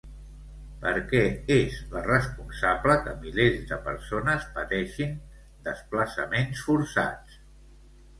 Perquè és la responsable que milers de persones pateixin desplaçaments forçats.